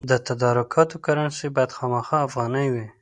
د تدارکاتو کرنسي باید خامخا افغانۍ وي.